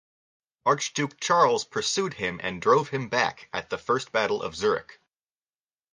Archduke Charles pursued him and drove him back at the First Battle of Zurich.